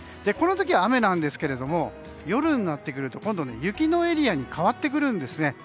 この時は雨なんですけれども夜になってくると今度は雪のエリアに変わってくるんですね。